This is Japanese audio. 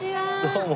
どうも。